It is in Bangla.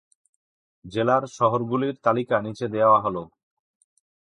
জেলার শহরগুলির তালিকা নিচে দেওয়া হল।